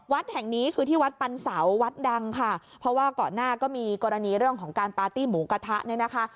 วัดแห่งนี้คือที่วัดปันเสาวัดดังค่ะเพราะว่าก่อนหน้าก็มีกรณีเรื่องของการปาร์ตี้หมูกระทะเนี่ยนะคะ